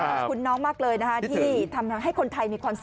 ขอบคุณน้องมากเลยนะคะที่ทำให้คนไทยมีความสุข